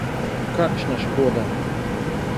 Kakšna škoda!